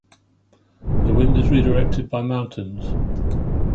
The wind is redirected by mountains.